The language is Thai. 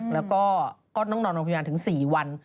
แล้วก็ก็ต้องนอนโรงพยาบาลถึง๔วัน